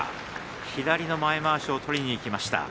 左の前まわしを取りにいきました。